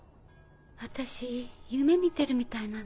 私夢見てるみたいなの。